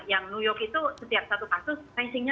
yang new york itu setiap satu kasus tracingnya